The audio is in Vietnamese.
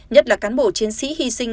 nhất là cán bộ chiến sĩ hy sinh